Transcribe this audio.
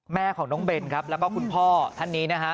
แม่ของน้องเบนครับแล้วก็คุณพ่อท่านนี้นะฮะ